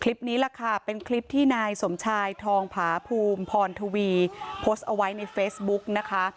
นี่แหละค่ะเป็นคลิปที่นายสมชายทองผาภูมิพรทวีโพสต์เอาไว้ในเฟซบุ๊กนะคะ